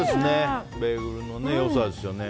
ベーグルの良さですよね。